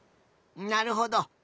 なるほど。